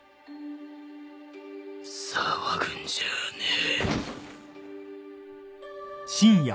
騒ぐんじゃねえ。